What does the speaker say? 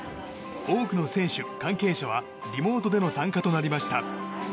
多くの選手、関係者はリモートでの参加となりました。